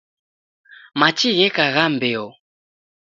Machi gheka gha mbeo